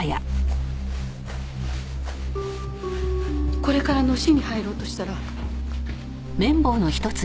これからのしに入ろうとしたら。